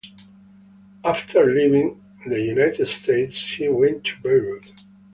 After leaving the United States, he went to Beirut.